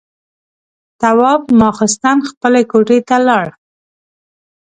تواب ماخستن خپلې کوټې ته لاړ.